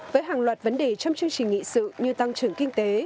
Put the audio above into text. với hàng loạt vấn đề trong chương trình nghị sự như tăng trưởng kinh tế